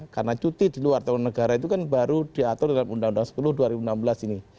karena cuti di luar tahun negara itu kan baru diatur dalam undang undang sepuluh dua ribu enam belas ini